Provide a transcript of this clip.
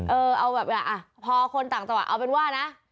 เออเอาแบบพอคนต่างจังหวัดเอาเป็นว่านะ